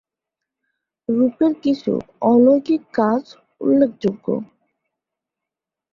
রূপের কিছু অলৌকিক কাজ উল্লেখযোগ্য।